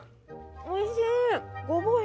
おいしい！